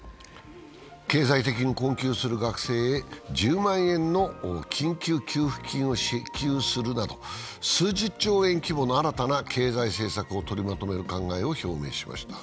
経済的に困窮する学生へ１０万円の緊急給付金を支給するなど数十兆円規模の新たな経済政策をとりまとめる考えを表明しました。